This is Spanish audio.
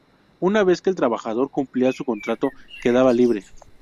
Una vez que el trabajador cumplía su contrato, quedaba libre.